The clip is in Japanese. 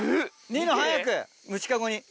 ニノ早く虫かごに。